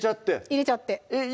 入れちゃってえっ